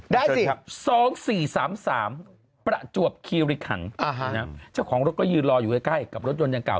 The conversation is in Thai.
๒๔๓๓ประจวบคีริขันเจ้าของรถก็ยืนรออยู่ใกล้กับรถยนต์ยังเก่า